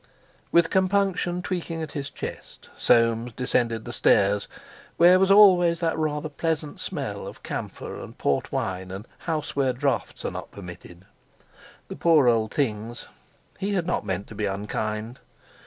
With compunction tweaking at his chest Soames descended the stairs, where was always that rather pleasant smell of camphor and port wine, and house where draughts are not permitted. The poor old things—he had not meant to be unkind!